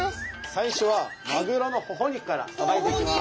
最初はマグロのほほ肉からさばいていきます。